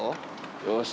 よし。